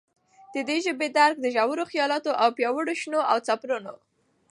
ددي ژبي ددرک دژورو خیالاتو او پیاوړو شننو او سپړنو